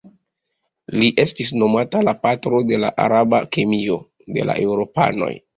Li estis nomata la "patro de la araba kemio" de la eŭropanoj.